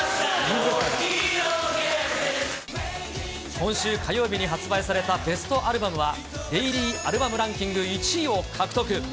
今週火曜日に発売されたベストアルバムは、デイリーアルバムランキング１位を獲得。